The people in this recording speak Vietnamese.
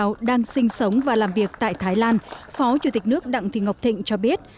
đại diện kiều bào đang sinh sống và làm việc tại thái lan phó chủ tịch nước đặng thị ngọc thịnh cho biết